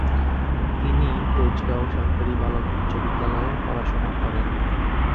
তিনি তেজগাঁও সরকারী বালক উচ্চ বিদ্যালয়ে পড়াশোনা করেন।